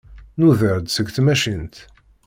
Nuder-d seg tmacint.